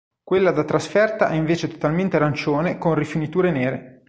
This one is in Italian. Quella da trasferta è invece totalmente arancione con rifiniture nere.